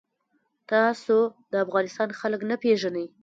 تاسو د افغانستان خلک نه پیژنئ.